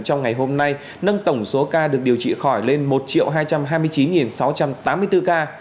trong ngày hôm nay nâng tổng số ca được điều trị khỏi lên một hai trăm hai mươi chín sáu trăm tám mươi bốn ca